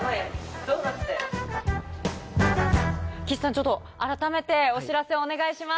ちょっと改めてお知らせお願いします。